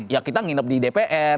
ya kita nginep di dpr